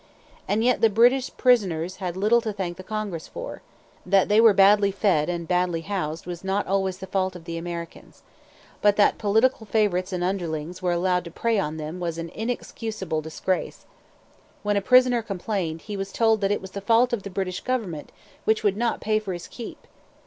And yet the British prisoners had little to thank the Congress for. That they were badly fed and badly housed was not always the fault of the Americans. But that political favourites and underlings were allowed to prey on them was an inexcusable disgrace. When a prisoner complained, he was told it was the fault of the British government which would not pay for his keep!